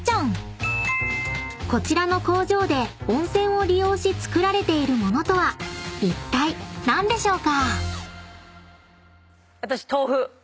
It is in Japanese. ［こちらの工場で温泉を利用し作られている物とはいったい何でしょうか？］